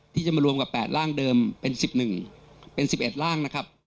ที่จะมารวมกับ๘ร่างเดิมเป็น๑๑ร่าง